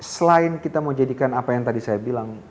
selain kita mau jadikan apa yang tadi saya bilang